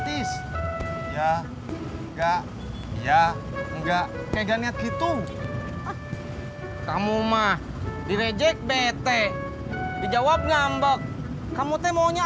tis ya enggak ya enggak kayak gitu kamu mah direjek bete dijawab ngambek kamu mau